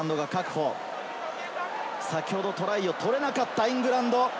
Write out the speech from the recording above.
先ほどトライを取れなかったイングランド。